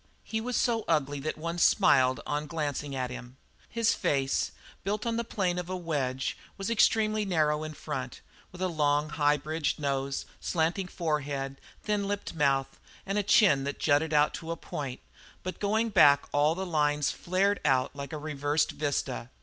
He was so ugly that one smiled on glancing at him. His face, built on the plan of a wedge, was extremely narrow in front, with a long, high bridged nose, slanting forehead, thin lipped mouth, and a chin that jutted out to a point, but going back all the lines flared out like a reversed vista.